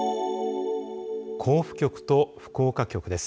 甲府局と福岡局です。